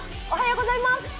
おはようございます。